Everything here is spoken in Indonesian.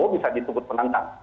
kalau bisa disebut penantang